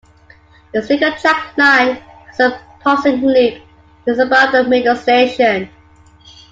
The single track line has a passing loop just above the middle station.